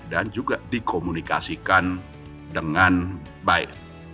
dan juga dikomunikasikan dengan baik